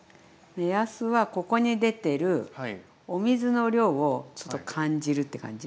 目安はここに出てるお水の量をちょっと感じるって感じ？